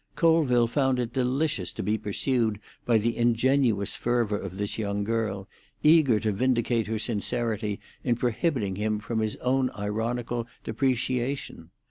Colville found it delicious to be pursued by the ingenuous fervour of this young girl, eager to vindicate her sincerity in prohibiting him from his own ironical depreciation.